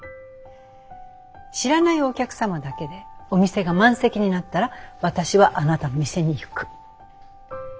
知らないお客様だけでお店が満席になったら私はあなたの店に行く。